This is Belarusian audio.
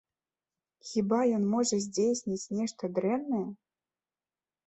Хіба ён можа здзейсніць нешта дрэннае?!